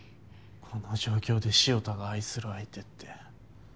この状況で潮田が愛する相手って。